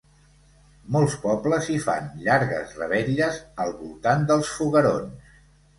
Molts pobles hi fan llargues revetlles al voltant dels foguerons.